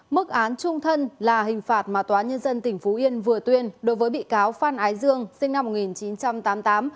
mức án trung thân là hình phạt mà tòa nhân dân tỉnh phú yên vừa tuyên đối với bị cáo phan ái dương sinh năm một nghìn chín trăm tám mươi tám